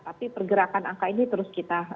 tapi pergerakan angka ini terus kita